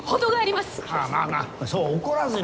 まあまあまあそう怒らずに。